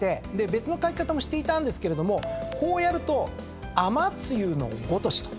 別の書き方もしていたんですけれどもこうやると雨露の如しと。